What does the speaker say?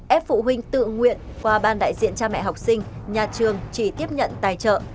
ép phụ huynh tự nguyện qua ban đại diện cha mẹ học sinh nhà trường chỉ tiếp nhận tài trợ